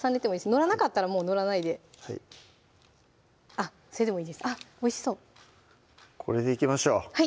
載らなかったらもう載らないでそれでもいいですあっおいしそうこれでいきましょう